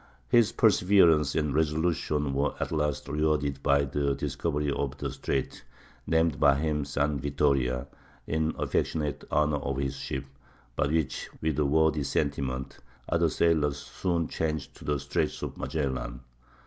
His perseverance and resolution were at last rewarded by the discovery of the Strait named by him San Vittoria, in affectionate honor of his ship; but which, with a worthy sentiment, other sailors soon changed to the Straits of Magellan.